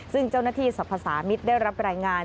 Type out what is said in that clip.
ซึ่งเจ้าหน้าที่สรรพสามิตรได้รับรายงาน